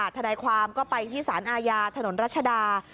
ทนายความก็ไปที่สารอาญาถนนรัชดา